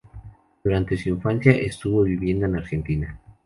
Durante su infancia estuvo viviendo en Argentina.